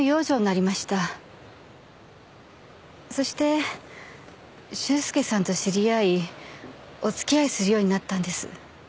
そして修介さんと知り合いお付き合いするようになったんです。